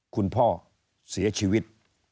คุณพ่อเสียชีวิต